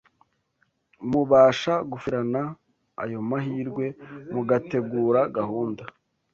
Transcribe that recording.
mubasha gufatirana ayo mahirwe mugategura gahunda